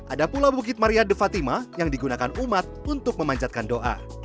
ada pula bukit maria de fatima yang digunakan umat untuk memanjatkan doa